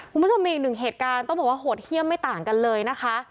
คุณผู้ชมมีอีกหนึ่งเหตุการณ์ต้องบอกว่าโหดเยี่ยมไม่ต่างกันเลยนะคะ